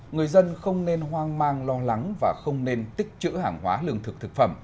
người dân không nên hoang mang lo lắng và không nên tích chữ hàng hóa lương thực thực phẩm